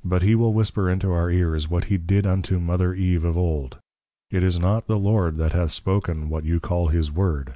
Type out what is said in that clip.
_ But he will whisper into our Ears, what he did unto our Mother Eve of old, _It is not the Lord that hath spoken what you call his Word.